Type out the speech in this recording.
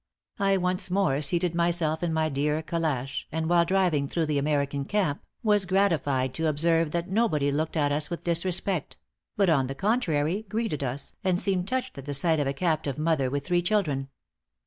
I once more seated myself in my dear calash; and while driving through the American camp, was gratified to observe that nobody looked at us with disrespect; but on the contrary, greeted us, and seemed touched at the sight of a captive mother with three children.